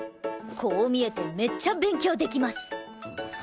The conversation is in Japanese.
こう見えてめっちゃ勉強できます。